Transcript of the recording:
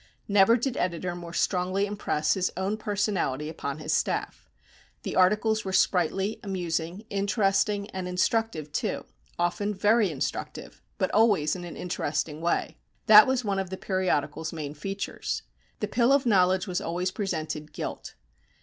Never did editor more strongly impress his own personality upon his staff. The articles were sprightly, amusing, interesting, and instructive too often very instructive, but always in an interesting way. That was one of the periodical's main features. The pill of knowledge was always presented gilt.